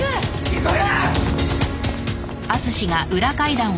急げ！